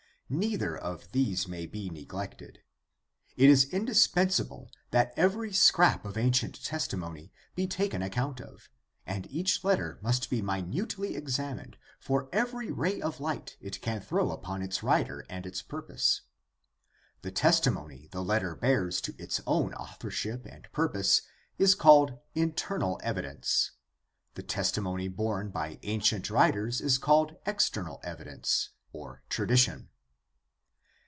Neither of these may be neglected. It is indispensable that every scrap of ancient testimony be taken account of, and each letter must be minutely examined for every ray of light it can throw upon its writer and his purpose. The testimony the letter bears to its own author ship and purpose is called internal evidence, the testimony borne by ancient writers is called external evidence, or tra dition.